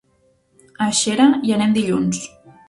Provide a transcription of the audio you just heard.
A Xera hi anem dilluns.